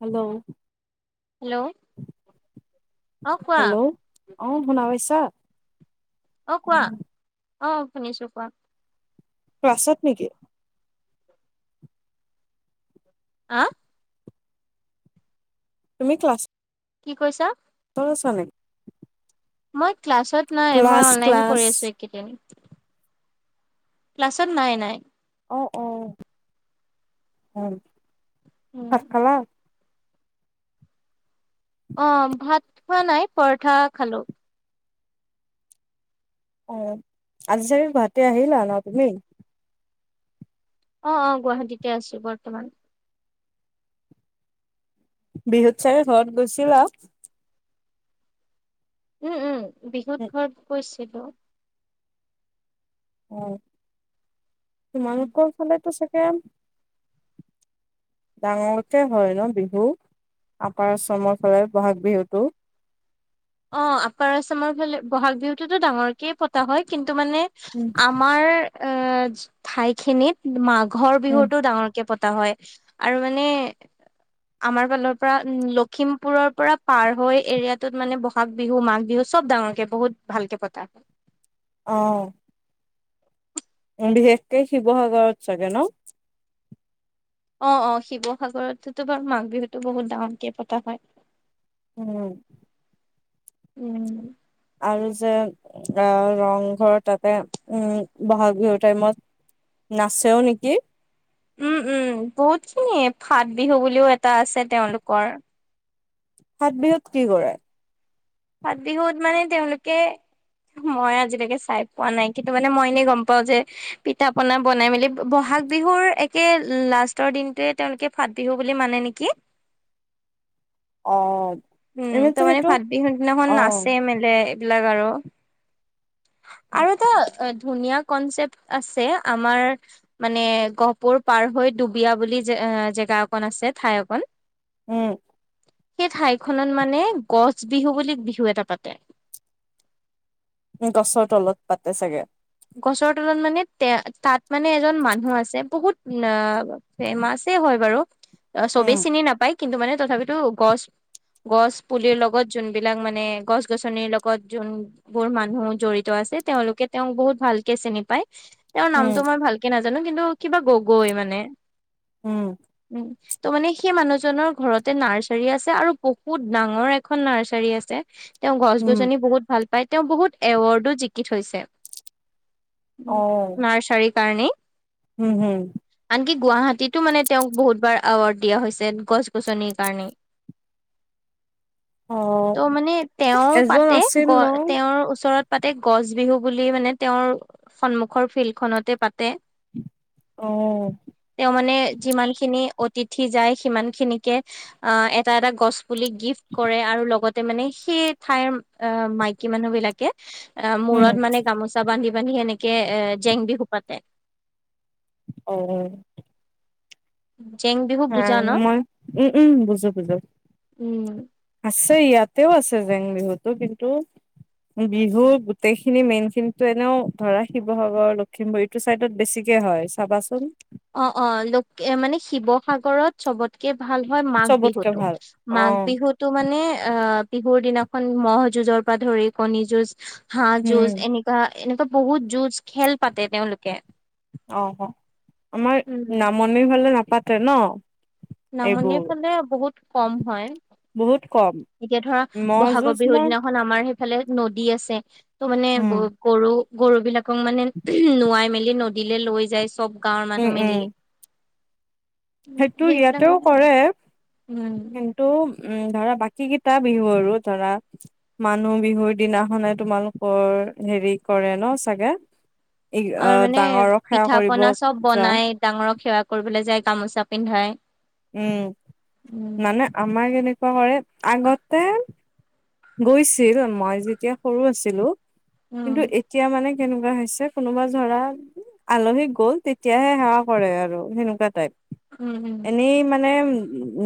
Hello. Hello অঁ কোৱা? আঁহ শুনা পাইছা? অঁ অ কোৱা? অঁ শুনিছো কোৱা? ক্লাছত নেকি? আঁহ? তুমি ক্লাছত? কি' কৈছা? আছা নেকি? মই। ক্লাছত নাই মই ক্লাছ অনলাইন ক্লাছ কৰি আছো এইকেইদিন। [unintelligible] ক্লাছত নাই নাই। অ অ হয়। উম। ভাত খালা অ ভাত খোৱা নাই পৰঠা খালোঁ অ আজি তালি গুৱাহাটী আহিলা ন তুমি [unintelligible] অ অ গুৱাহাটীতে আছো বৰ্তমান বৃহৎ চাৰে ঘৰত গৈছিলা [unintelligible] উম উম বিহুত ঘৰত কৈছো হটো [unintelligible] অ তোমালোকৰ ফালেতো চাগে ডাঙৰকে হয় ন বিহু আপাৰ আচামৰ ফালে বহাগ বিহুতটো অ আপাৰ আচামৰ ফালে বহাগ বিহুতটোতো ডাঙৰকে পতা হয় কিন্তু তটো মানে আমাৰ [unintelligible] আ ঠাইখিনিত মাঘ [unintelligible] ঘৰ বিহুতো ডাঙৰকে প হয় আৰু মানে আমাৰ ফালৰ পৰা লখিমপুৰৰ পৰা পাৰ হৈ এৰিয়াটোত মানে বহুত [unintelligible] মাঘ বিহু মাঘ বিহু চব ডাঙৰকে বহুত ভালকে পতা হয় অঁ বিশেষকে শিৱসাগৰৰত চাগে ন অ অ শিৱসাগৰততো বাৰু মাঘ বিহুতো বহুত ডাঙৰকে পতা হয় [unintelligible] উম উম আৰু যে আহ ৰংঘৰ তাতে উম বহাগ বিহুৰ টাইমত নাচেও নেকি উম উম বহুত খিনিয় ফাত বিহু বুলিও এটা আছে তেওঁলোকৰ সাতবিহুত কি কৰে ফাত বিহুত মানে তেওঁলোকে মই আজিলৈকে চাই পোৱা নাই কিন্তু মানে মই এনেই গম পাও যে পিঠা পনা বনাই মেলি বহাগ বিহুৰ একে লাষ্টৰ দিনটোৱে তেওঁলোকে ফাত বিহু বুলি মানে নেকি অ উম এনেতো তাৰ মানে সেইটো ভাত বিহু দিনাখন অ নাচে মেলে লাক আৰু আৰু এটা ধুনীয়া কনচেপ্ট আছে আমাৰ মানে গহপুৰ পাৰ হৈ ডুবিয়া বুলি জেগা অকন আছে ঠাই অকন [unintelligible] উম সেই ঠাইখনত মানে গছ বিহু বুলি বিহু এটা পাতে গছৰ তলত পাতে চাগে গছৰ তলত মানে তে তাত মানে এজন মানুহ আছে বহুত ফেমাছে হয় বাৰু অ চবেই উম চিনি নাপায় কিন্তু মানে তথাপিতো গছ গছ পুলিৰ লগত যোনবিলাক মানে গছ গছনিৰ লগত যোনবোৰ মানুহ জঢ়িত আছে। তেওঁলোকে তেওঁওক বহুত [unintelligible] ভালকে চিনি পায় তেওঁৰ উম নামটো মই ভালকে নাজানো? জানো কিন্তু কিবা গগৈ মানে উম উম ত' মানে সেই মানুহজনৰ ঘৰতে নাৰ্চাৰি আছে আৰু বহুত ডাঙৰ এখন নাৰ্চাৰি আছে। তেওঁ গছ উম গছনি বহুত ভাল বাই তেওঁ বহুত এৱাৰ্ডো জিকি থৈছে। অ নাৰ্চাৰী কাৰণে উম উম গুৱাহাটীতো মানে তেওঁক বহুতবাৰ এৱাৰ্ড দিয়া হৈছে গছ গছনিৰ কাৰণে অ ত' মানে তেওঁ এজন পাতে আছিল গ ন তেওঁৰ ওচৰত পাতে গছ বিহু বুলি মানে তেওঁৰ সন্মুখৰ ফিল্ড খনতে পাতে। অ তেওঁ মানে যিমান খিনি অতিথি যায় সিমান খিনিকে অ এটা এটা গছ বুলি গিফ্ট কৰে আৰু লগত মানে সেই ঠাইৰ অ মাইকী মানুহ বিলাকে অ উম মূৰত মানে গামোচা বি বান্ধি এনেকে জেং বিহু পাতে। অ অ জেং বিহু হ বুজা ন মই উম উম বুজো বুজো, উম আছ ইয়াতেও আছে জেং বিহুতো কিন্তু বিহু গোটেইখিনি মেইন খিনিতো এনেও ধৰা শিৱসাগৰ লখিমপুৰ এইটো চাইদত বেছিকে হয় চাবাচোন। অ অ লোক মানে শিৱসাগৰত চবতে তকে ভাল হয় মাঘ চবতকে বিহুতটো ভাল অ মাঘ বিহুতটো মানে অ বিহুৰ দিনাখন মহ' যুঁজৰ পৰা ধৰি কণী যুঁজ হাঁহ উম যূজ এনেকা এনেকুৱা বহুত যুজ খেল পাতে তেওঁলোকে অ অ আমাৰ উম নামনি ফালে নাপ পাতে ন নামনি এইবোৰ ফালে বহুত কম হয়। বহুত কম এতিয়া ধৰা ম'হ যুঁজ বহাগৰ বিহুৰ মই দিনাখন আমাৰ সেইফালে নদী আছে। মানে উম গ গৰু। গৰু বিলাক। [unintelligible] মানে নোৱাই মেলি। নদীলৈ লৈ যায় চব। গাঁৱৰ মানুহ উম মিলি সেইটো সেইবিলাক ইয়াতেও মানে কৰে উম কিন্তু উম ধৰা বাকী কেইটা বিহু আৰু ধৰা মানুহ বিহুৰ দিনাখনে তোমালোকৰ হেৰি কৰে ন চাগে। ই আমাৰ মানে ডাঙৰক সেৱা পিঠা কৰিব পনা চব যোৱা বনাই ডাঙৰক সেৱা কৰিবলৈ যায়। গামোচা পিন্ধাই। উম উম মানে আমাৰ এনেকোৱা কৰে আগতে গৈছিল মই যেতিয়া সৰু আছিলো। উম কিন্তু এতিয়া মানে। সেনেকোৱা হৈছে কোনোবা ধৰা আলহী গ'ল তেতিয়াহে সেৱা কৰে আৰু সেনেকোৱা টাইপ। উম উম এনেই মানে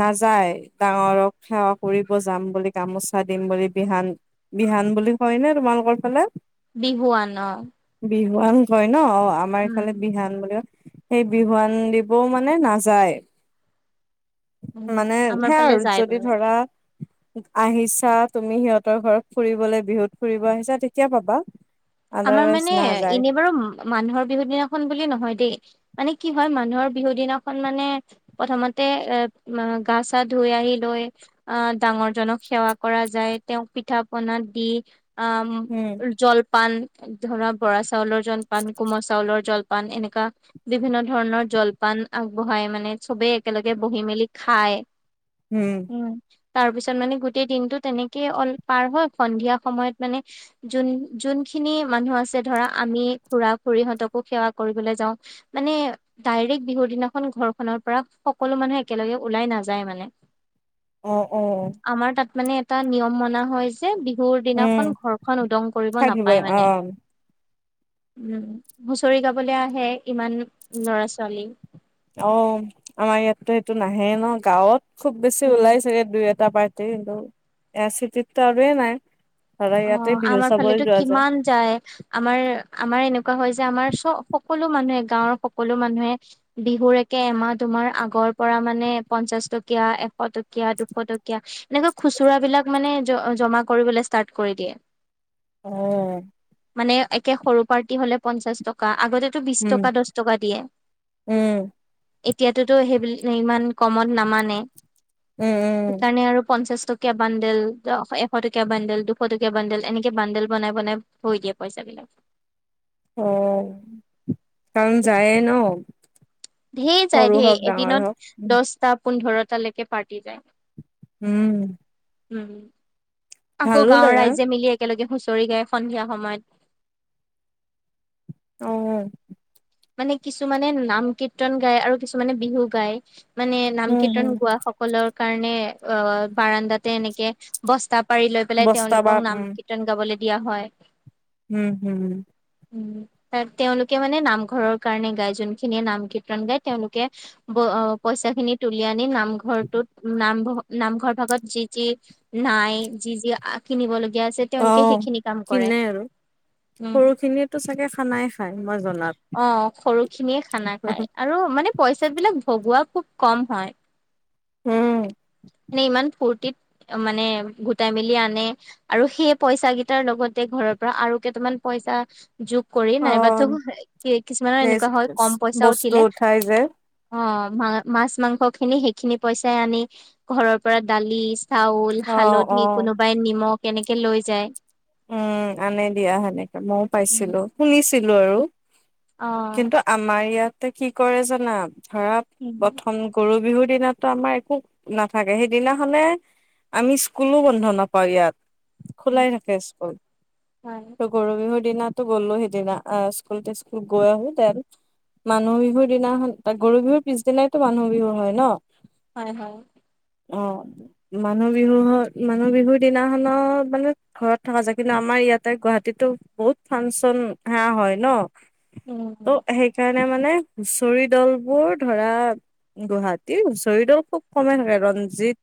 নাযায় ডাঙৰক সেৱা কৰিব যাম বুলি গামোচাত দিম বুলি বিহান বিহান বুলি কয় নে তোমালোকৰ ফালে বিহুৱান অ বিহুৱান কয় ন অ আমাৰ উম এইফালে বিহান বুলি কয়। সেই বিহুৱান দিবও মানে নাযায়। উম মানে আমাৰ সে ফালে আৰু যায় যদি বাৰু ধৰা আহিছে তাত তুমি সিহঁতৰ ঘৰত ফুৰিবলে বিহুত ফুৰিব আহিছা তেতিয়া পাবা আমাৰ আদাৰৱাইজ মানে নাযায় এনে বাৰু মানুহৰ বিহু দিনাখন বুলি নহয় দেই মানে কি হয় মানুহৰ বিহু দিনাখন মানে প্ৰথমতে এ গা চা ধুই আহি লৈ আহ ডাঙৰ জনক সেৱা কৰা যায় তেওঁক পিঠা পনা দি। উম জল পান ধৰা বৰা চাউলৰ জলপান কোমল চাউলৰ জলপান এনেকোৱা বিভিন্ন ধৰণৰ জলপান আগবঢ়াই মানে চবেই একেলগে বহি মেলি খায়। উম। তাৰ পিছত মানে গোটেই দিনতো তেনেকেই অল পাৰ হয় সন্ধিয়া সময়ত মানে যোন যোনখি নি মানুহ আছে ধৰা আমি খুৰা খুৰীহঁতকো সেৱা কৰিবলৈ যাও মানে ডাইৰেক্ট বিহুৰ দিনাখন ঘৰখনৰ পৰা সকলো মানুহে একেলগে ওলাই নাযায় মানে অহ অ আমাৰ তাত মানে এটা নিয়ম মনা হয় যে বিহুৰ উম দিনাখন ঘৰখন উদং কৰিব নাপ থাকিব অ উম হুচৰি গাবলৈ আহে ইমান লৰা ছোৱালী অ আমাৰ ইয়াততো এইটো নাহে ন গাঁৱত। খুব বেছি উম। ওলাই চাগে দুই এ তাৰপৰা এইটোৱে এয়া চিত তিটো আৰু নাই। [unintelligible] অ ইয়াতে বিহু আমাৰ চাবই ফালেতো যোৱা কিমান যায় আমাৰ আমাৰ এনেকুৱা হয় যে আমাৰ চ সকলো মানুহে গাঁওৰ সকলো মানুহে বিহু একে এমাহ তোমাৰ আগৰ পৰা মানে পঞ্চাশ টকীয়া এশ টকীয়া দুশ টকীয়া এনেকুৱা খুচুৰা বিলাক মানে জমা কৰিবলে ষ্টাৰ্ট কৰি দিয়ে। অহ মানে একে সৰু পাৰ্টি হলে পঞ্চাশ টকা। আগতেতো বিশ উম টকা দহ টকা দিয়ে। উম এতিয়াতো তো সেইবিল ইমান কমত নামানে। উম উম সেইকাৰণে আৰু পঞ্চাশ টকীয়া বাণ্ডেল এশ টকীয়া বাণ্ডেল দুশ টকীয়া বান্দেল এনেকে বান্দেল বনাই বনাই হৈ দিয়ে পইচা বিলাক। অ কাৰণ যায় ন। ঢেৰ যায় সৰু হওক ধেৰ ডাঙৰ হওক এদিনত দছটা‌ পোন্ধৰটালৈকে পাৰ্টি যায়। উম উম আকৌ ভালো গাঁৱৰ লাগে ৰাইজে মিলি একেলগে হুঁচৰি গায় সন্ধিয়া সময়ত। অ মানে কিছুমানে নাম কীৰ্তন গায় আৰু কিছুমানে বিহু গায়। মানে নাম উম কীৰ্তন হম গোৱা সকলৰ কাৰণে অ বাৰাণ্ডাতে এনেকে বস্তা পাৰি লৈ পেলাই বস্তা বা তেওঁলোকক নাম উম কীৰ্তন গাবলৈ দিয়া হয়। উম হম উম তাত তেওঁলোকে মানে নাম ঘৰৰ কাৰণে গাই যোনখিনিয়ে নাম কীৰ্তন গায় তেওঁলোকে ব পইচা খিনি তুলি আনি ন ঘৰটোত নাম নামঘৰ ভাগত যি যি নাই যি যি আ কিনিব ল অ কিনে আৰু উম, সৰু খিনিয়ো চাগে খানাই খাই মই জনাত অ সৰু খিনিয়ে খানা খায় আৰু মানে পইচা বিলাক ভগোৱা খুব কম হয়। উম। মানে ইমান ফূৰ্তিত মানে গোটাই মেলি আনে আৰু সেই পইচা কেইটাৰ লগতে ঘৰৰ পৰা আৰু কেইটামান পইচা [unintelligible] যোগ কৰি অ নাইবাতো কিছুমানৰ নেচ এনেকুৱা হয় কম পইচা বস্তু উঠিলে উঠাই যে অ মা মাছ মাংস খিনি সেইখিনি পইচাই আনি ঘৰৰ পৰা দালি চাউল, অ', হালধি অ'। কোনোবাই নিমখ কেনেকে লৈ যায়। উম আনে দিয়া সেনেকে মইও পাইছিলো শুনিছিলো ল আৰু অ কিন্তু আমাৰ ইয়াত তাই কি কৰে জানা ধৰা প্ৰথম গৰু বিহুত দিনা আমাৰ একো নাথাকে। সেইদিনাখনে আমি স্কুলো বন্ধ নাপাওঁ ইয়াত। খোলাই থাকে। হয় ত গৰ বিহুৰ দিনাতো গ'লো। সেইদিনা স্কুল টিস্কুল গৈ আহো। মানুহ বিহুৰ দিনাখন গৰু বিহুৰ পিছদিনাইতো মানুহ বিহু হয় ন হয় হয় অ মানুহ বিহু মানুহ বিহুৰ দিনাখনত মানে ঘৰত থকা যায়। কিন্তু আমাৰ ইয়াতে গুৱাহাটীতো বহুত ফাংচন সে হয় ন অ উম সেই কাৰণে মানে হুঁচৰি দল বোৰ ধৰা গুৱাহাটী হুচৰি দল খুব কমে থাকে ৰঞ্জিত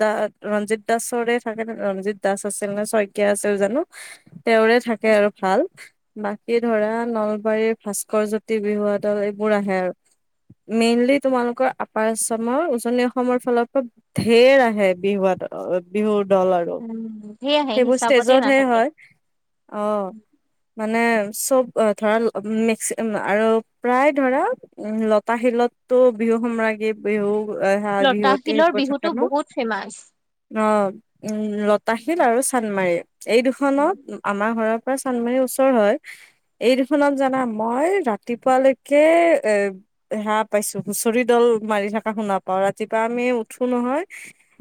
দা ৰঞ্জিত দাসৰে থাকে ৰঞ্জিত দাস আছিল নে ছয় আছিল জানো তেওঁৰে থাকে আৰু ভাল। বাকী ধৰা নলবাৰীৰ ভাস্কৰ জ্যোতি বিহুৱ দল এইবোৰ আহে আৰু মেইনলি তোমালোকৰ আপাৰ অসমৰ উজনি অসমৰ ফালৰ পৰা ঢেৰ আহে। বিহুৱা দল বিহু উম ধেই আহে সেইবোৰ ষ্টেজতহে হয়। অ মানে চব ধৰা মেক্সি আৰু প্ৰায় ধৰা উ লতাশিলতটো বিহু সম্ৰাগী বিহু সেয়া বিহুৱতী লতাশিলৰ সেবোৰ বিহুটো থাকে ন বহুত ফেমাচ ন উ লতাশিল আৰু মাৰে এই দুখনত উম আমাৰ ঘৰত চান্দমাৰীৰ ওচৰ হয়। এই দুখনত জানা মই ৰাতিপুৱালৈকে এ সেয়া পাইছো হুঁচৰি দল মাৰি থকা শুনা পাও ৰাতিপুৱা আমি উঠো নহয়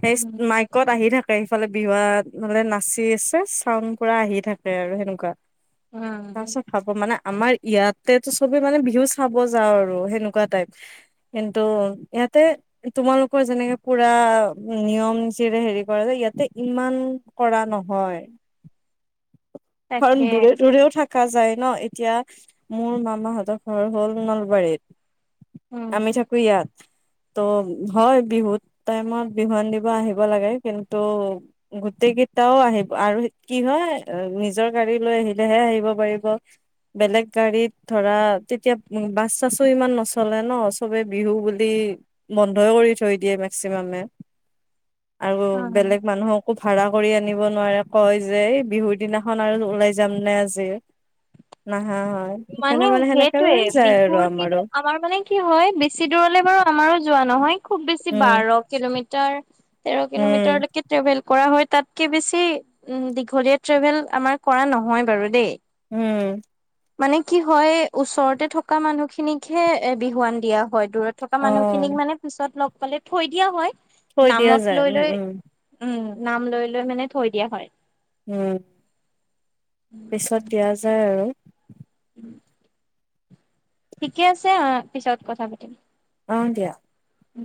সেই মাইকত আহি থাকে। সেই ফালে বিহুৱা ফালে না- চি আছে চাউন পৰা আহি থাকে আৰু সেনেকুৱা। উম তাছত খাব মানে আমাৰ ইয়াতেতো চবে মানে বিহু চাব যাওঁ আৰু সেনেকুৱা টাইপ কিন্তু ইয়াতে তোমালোকৰ যেনেকে পুৰা নিয়ম চীৰে হেৰি কৰে যে ইয়াতে ইমান কৰা নহয় কাৰণ তাকে দূৰে -দূৰেও থাক থাকা যায় ন' এতিয়া মোৰ মামাহঁতৰ ঘৰ হ'ল নলবাৰীত উম আমি ঠাকু ইয়াত ত' হয়, বিহুত টাইমত বিহুৱান দিব আহিব লাগে কিন্তু, গোটেই কেইটাও আহিব আৰু কি হয় নিজ নিজৰ গাড়ী লৈ আহিলেহে আহিব পাৰিব বেলেগ গাড়ীত ধৰা তেতিয়া বাছ চাছো ইমান নচলে ন' চবে বিহু বুলি বন্ধই কৰি থৈ দিয়ে মেক্সিমামে। আৰু অ বেলেগ মানুহক কো ভাড়া কৰি আনিব নোৱাৰে কয় যে বিহুৰ দিনা ন 'আৰু ওলাই যাম নে আজি নাহ মানে সেইটোয়ে যায় আৰু বিহুৰ আমাৰো কেইদিন আমাৰ মানে কি হয় বেছি দূৰলে বাৰু আমাৰো যোৱা নহয়। খুব বেছি উম বাৰ কিলোমিটাৰ তাৰ তেৰ উম কিলোমিটৰ লৈকে টেভেল কৰা হয় তাতকে বেছি উম দীঘলীয়া ট্ৰেভেল আমাৰ কৰা নহয় বাৰু দেই। উম মানে কি হয় ওচৰতে থকা মানুহখিনিকহে এ' বিহুৱান দিয়া হয়। দূৰত থকা অ মানুহখিনিক মানে পিছত লগ কলে থৈ দিয়া হয়। থৈ দিয়া নামত যায় লৈ উম লৈ - উম। উম নাম লৈ -লৈ মানে থৈ দিয়া হয়। উম পিছত দিয়া যায় আৰু [inaudible] ঠিকে আছে অ'পিছত কথা পাতিম। অহ, দিয়া। উম